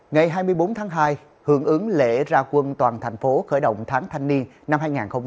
ngày hai mươi bốn tháng hai hưởng ứng lễ ra quân toàn thành phố khởi động tháng thanh niên năm hai nghìn hai mươi bốn